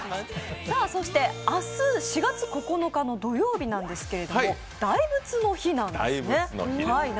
明日４月９日の土曜日なんですけれども、大仏の日なんですね。